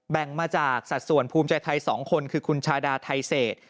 แบ่งมาจากสัดส่วนภูมิใจไทย๒คนคือคุณชาดาไทเศษ